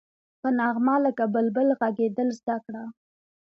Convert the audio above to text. په نغمه لکه بلبل غږېدل زده کړه.